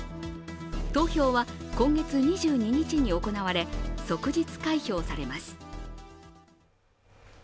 投票は今月２２日に行われ、即日開票されます。